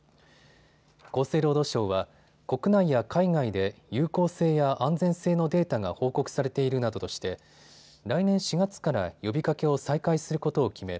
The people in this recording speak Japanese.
厚生労働省は国内や海外で有効性や安全性のデータが報告されているなどとして来年４月から呼びかけを再開することを決め